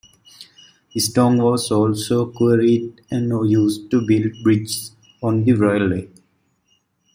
Stone was also quarried and used to build bridges on the railway.